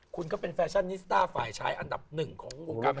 คุณก็เป็นแฟชั่นนิสดาฝ่ายชายอันดับ๑ของโครงการบันเตอร์